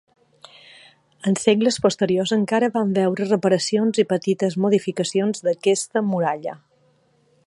Els segles posteriors encara van veure reparacions i petites modificacions, d'aquesta muralla.